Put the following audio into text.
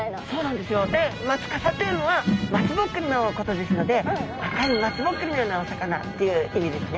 でマツカサというのは松ぼっくりのことですので赤い松ぼっくりのようなお魚っていう意味ですね。